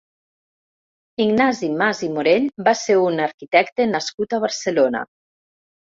Ignasi Mas i Morell va ser un arquitecte nascut a Barcelona.